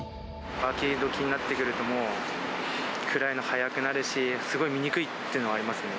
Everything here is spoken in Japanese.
秋どきになってくると、もう暗いの早くなるし、すごい見にくいっていうのはありますね。